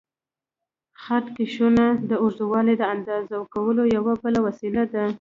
خط کشونه د اوږدوالي د اندازه کولو یوه بله وسیله ده.